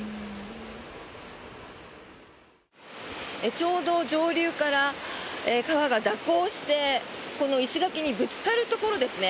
ちょうど上流から川が蛇行してこの石垣にぶつかるところですね。